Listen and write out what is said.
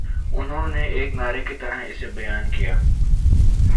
انہوں نے ایک نعرے کی طرح اسے بیان کیا